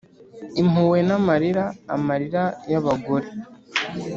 impuhwe n'amarira - amarira y'abagore!